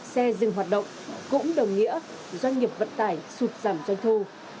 xe dừng hoạt động cũng đồng nghĩa doanh nghiệp vận tải sụt giảm doanh thu